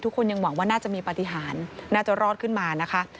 ทุกคนยังหวังว่าน่าจะมีปฏิหารน่าจะรอดขึ้นมานะคะ